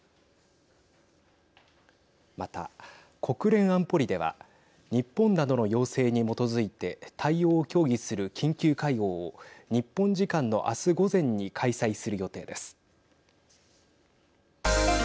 また、国連安保理では日本などの要請に基づいて対応を協議する緊急会合を日本時間の明日午前に開催する予定です。